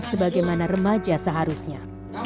sebagaimana remaja seharusnya